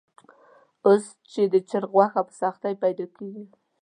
اوس چې د چرګ غوښه په سختۍ پیدا کېږي.